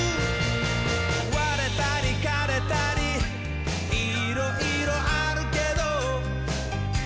「われたりかれたりいろいろあるけど」